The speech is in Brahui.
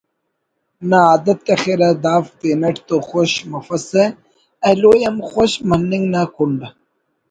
نا عادت تخرہ دافک تینٹ تو خوش مفسہ ایلو ءِ ہم خوش مننگ نا کنڈ